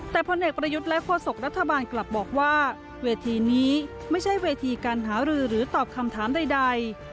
แต่พลเอกประยุทธ์และโฆษกรัฐบาลกลับบอกว่าเวทีนี้ไม่ใช่เวทีการหารือหรือตอบคำถามใด